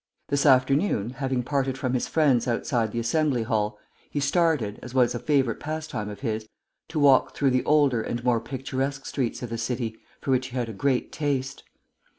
This afternoon, having parted from his friends outside the Assembly Hall, he started, as was a favourite pastime of his, to walk through the older and more picturesque streets of the city, for which he had a great taste.